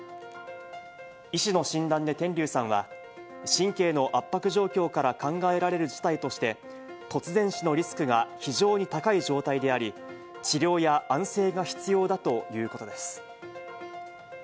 医師の診断で天龍さんは、神経の圧迫状況から考えられる事態として、突然死のリスクが非常に高い状態であり、治療や安静が必要だということです。